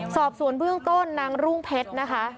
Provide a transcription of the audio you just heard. สอบสวนเบื้องต้นนางรุ่งเพชรนะคะ